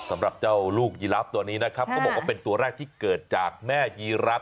สำหรับเจ้าลูกยีลาฟตัวนี้นะครับเขาบอกว่าเป็นตัวแรกที่เกิดจากแม่ยีรัก